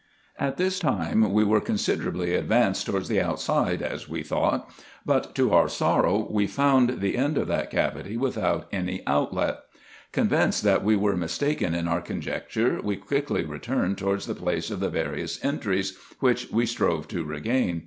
At this time we were considerably advanced towards the outside, as we thought ; but to our sorrow we found the end IN EGYPT, NUBIA, &c. 53 of that cavity, without any outlet. Convinced that we were mis taken in our conjecture, we quickly returned towards the place of the various entries, which we strove to regain.